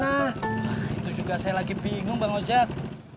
nah itu juga saya lagi bingung bang ojek